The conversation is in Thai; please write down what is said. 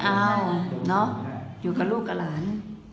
ไม่เอาอยู่กับลูกกับหลาน